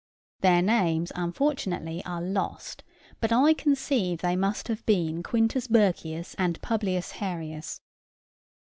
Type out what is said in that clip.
Their names unfortunately are lost; but I conceive they must have been Quintus Burkius and Publius Harius.